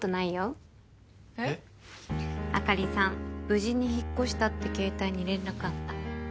無事に引っ越したって携帯に連絡あった。